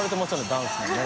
ダンスもね。